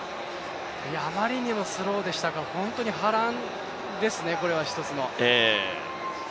あまりにもスローでしたから、本当に波乱ですね、これは１つの。